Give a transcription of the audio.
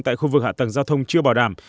tại khu vực hạ tầng giao thông chưa bảo đảm